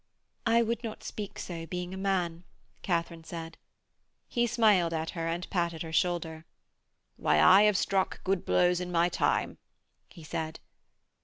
'I would not speak so, being a man,' Katharine said. He smiled at her and patted her shoulder. 'Why, I have struck good blows in my time,' he said.